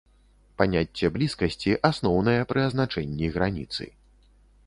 Паняцце блізкасці асноўнае пры азначэнні граніцы.